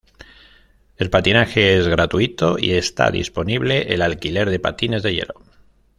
El patinaje es gratuito y está disponible el alquiler de patines de hielo.